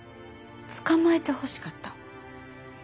捕まえてほしかった。